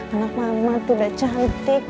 anak mama tuh udah cantik